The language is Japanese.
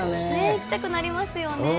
行きたくなりますよね。